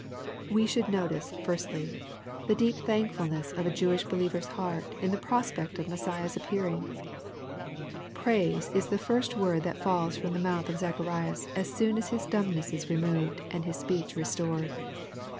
We should notice, firstly, the deep thankfulness of a Jewish believer's heart in the prospect of Messiah^s appearing. Praise is the first word that falls from the mouth of Zacharias as soon as his dumbness is removed, and his speech restored.